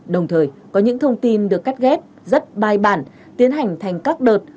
đồng thời có những thông tin được cắt ghép rất bài bản tiến hành thành các đợt